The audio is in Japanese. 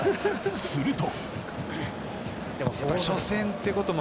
すると。